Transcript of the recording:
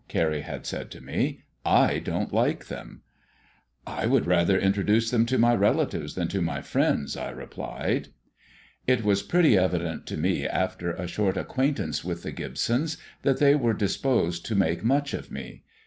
Carrie had said to me; "I don't like them." "I would rather introduce them to my relatives than to my friends," I replied. It was pretty evident to me after a short acquaintance with the Gibsons that they were disposed to make much of me.